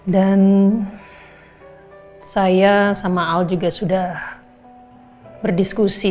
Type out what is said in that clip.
dan saya sama al juga sudah berdiskusi